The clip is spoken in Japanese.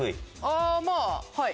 ああまあはい。